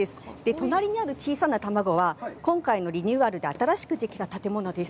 隣にある小さな卵は、今回のリニューアルで新しくできた建物です。